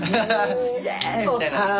イェイみたいな。